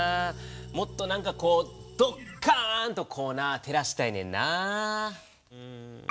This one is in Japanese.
もっと何かこうドッカンと照らしたいねんな。